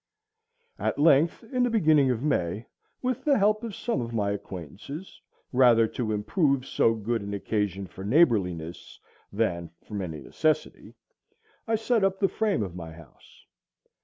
At length, in the beginning of May, with the help of some of my acquaintances, rather to improve so good an occasion for neighborliness than from any necessity, I set up the frame of my house.